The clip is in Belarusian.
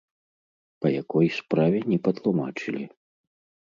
Па якой справе, не патлумачылі.